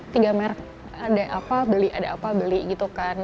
tiga merek ada apa beli ada apa beli gitu kan